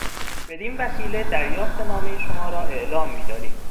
بدین وسیله دریافت نامهی شما را اعلام میداریم.